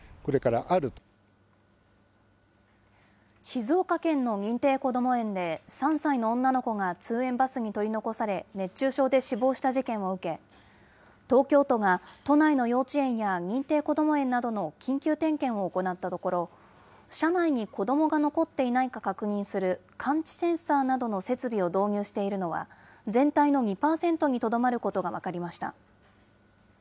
静岡県の認定こども園で、３歳の女の子が通園バスに取り残され、熱中症で死亡した事件を受け、東京都が都内の幼稚園や認定こども園などの緊急点検を行ったところ、車内に子どもが残っていないか確認する感知センサーなどの設備を導入しているのは、全体の２％にとどまることが分かりました。